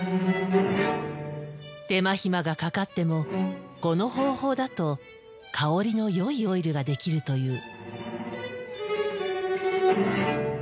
手間暇がかかってもこの方法だと香りのよいオイルが出来るという。